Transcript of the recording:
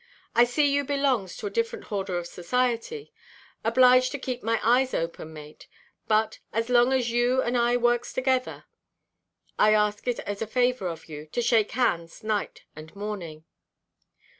"I see you belongs to a different horder of society; obliged to keep my eyes open, mate; but, as long as you and I works together, I ask it as a favour of you, to shake hands night and morning."